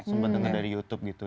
sempat dengar dari youtube gitu